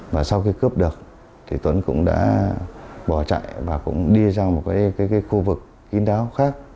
và sau khi cướp được thì tuấn cũng đã bỏ chạy và cũng đi ra một cái khu vực kín đáo khác